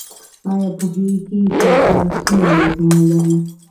ایا پوهیږئ چې شکر څومره زیان لري؟